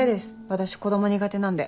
私子供苦手なんで。